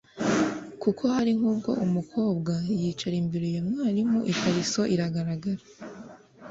kuko hari nk’ubwo umukobwa yicara imbere y’umwarimu ikariso igaragara